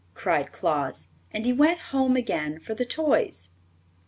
cried Claus, and he went home again for the toys.